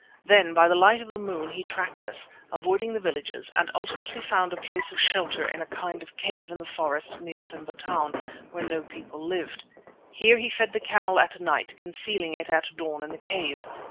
Then by the light of the moon he tracked us, avoiding the villages, and ultimately found a place of shelter in a kind of cave in the forest near to Simba Town, where no people lived. Here he fed the camel at night, concealing it at dawn in the cave.